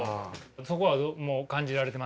そこは感じられてます？